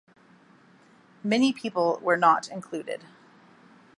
Many people were not included.